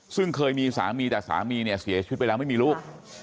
ซึ่งเคยมีสามีแต่สามีเนี่ยเสียชีวิตไปแล้วไม่มีลูก